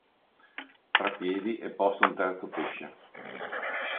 Tra piedi è posto un terzo pesce.